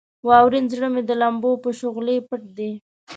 واورین زړه مې د لمبو په شغلې پټ دی.